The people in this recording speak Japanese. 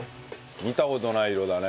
見た事ない色だね。